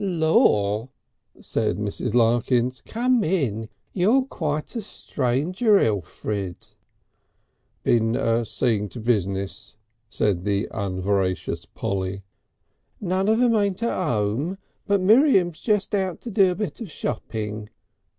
"Law!" said Mrs. Larkins, "come in! You're quite a stranger, Elfrid!" "Been seeing to business," said the unveracious Polly. "None of 'em ain't at 'ome, but Miriam's just out to do a bit of shopping.